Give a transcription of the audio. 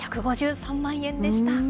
１５３万円でした。